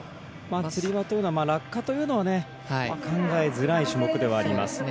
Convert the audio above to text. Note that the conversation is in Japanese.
つり輪というのは落下というのは考えづらい種目ではあります。